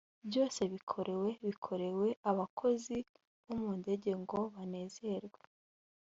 byose bikorewe bikorewe abakozi bo mu ndege ngo banezerwe.